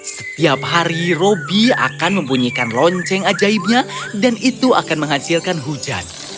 setiap hari robi akan membunyikan lonceng ajaibnya dan itu akan menghasilkan hujan